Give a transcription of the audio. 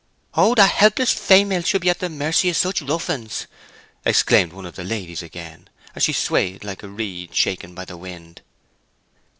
"Oh that helpless feymels should be at the mercy of such ruffens!" exclaimed one of these ladies again, as she swayed like a reed shaken by the wind.